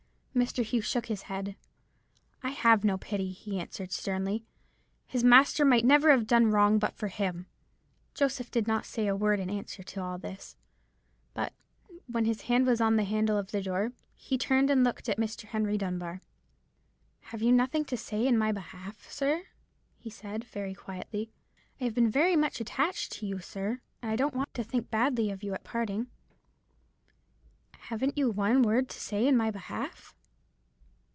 "Mr. Hugh shook his head. 'I have no pity,' he answered, sternly: 'his master might never have done wrong but for him.' "Joseph did not say a word in answer to all this; but, when his hand was on the handle of the door, he turned and looked at Mr. Henry Dunbar. "'Have you nothing to say in my behalf, sir?' he said, very quietly; 'I have been very much attached to you, sir, and I don't want to think badly of you at parting. Haven't you one word to say in my behalf?'